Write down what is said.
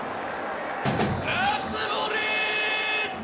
熱盛！